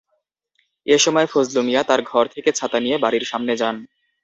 এ সময় ফজলু মিয়া তাঁর ঘর থেকে ছাতা নিয়ে বাড়ির সামনে যান।